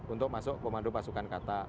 untuk masuk komando pasukan kata